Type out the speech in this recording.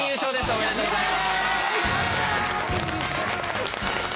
おめでとうございます。